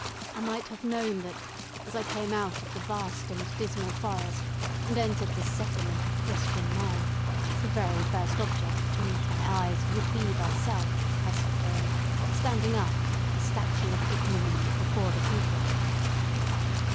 I might have known that, as I came out of the vast and dismal forest, and entered this settlement of Christian men, the very first object to meet my eyes would be thyself, Hester Prynne, standing up, a statue of ignominy, before the people.